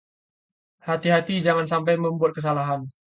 Hati-hati jangan sampai membuat kesalahan.